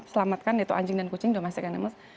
selamatkan anjing dan kucing domestic animals